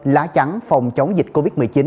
lá chắn phòng chống dịch covid một mươi chín